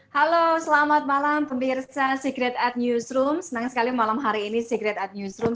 halo selamat malam pemirsa secret at newsroom senang sekali malam hari ini secret at newsroom